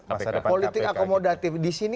masa depan kpk politik akomodatif di sini